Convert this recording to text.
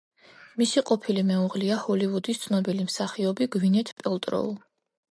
მისი ყოფილი მეუღლეა ჰოლივუდის ცნობილი მსახიობი გვინეთ პელტროუ.